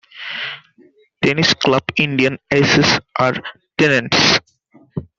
Tennis club Indian Aces are tenants.